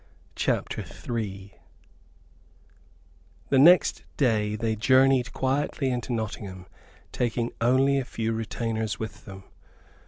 CHAPTER III The next day they journeyed quietly into Nottingham, taking only a few retainers with them.